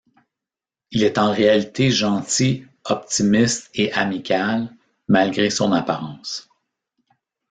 Il est en réalité gentil, optimiste et amical malgré son apparence.